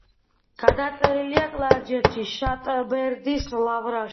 გადაწერილია კლარჯეთში, შატბერდის ლავრაში.